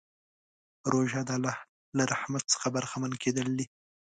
روژه د الله له رحمت څخه برخمن کېدل دي.